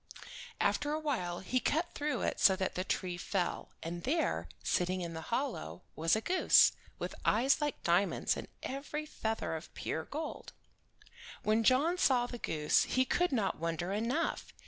After awhile he cut through it so that the tree fell, and there, sitting in the hollow, was a goose, with eyes like diamonds, and every feather of pure gold. When John saw the goose he could not wonder enough.